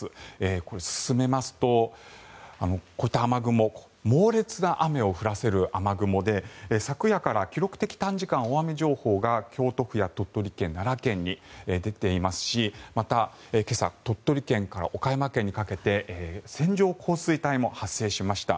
これ、進めますとこういった雨雲猛烈な雨を降らせる雨雲で昨夜から記録的短時間大雨情報が京都府や鳥取県、奈良県に出ていますしまた、今朝鳥取県から岡山県にかけて線状降水帯も発生しました。